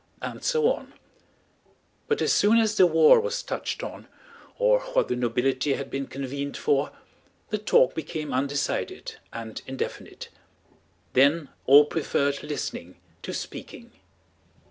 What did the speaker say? and so on; but as soon as the war was touched on, or what the nobility had been convened for, the talk became undecided and indefinite. Then all preferred listening to speaking.